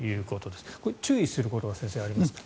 注意することが先生、ありますか？